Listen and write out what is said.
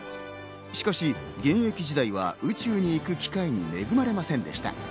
しかし現役時代は宇宙に行く機会に恵まれませんでした。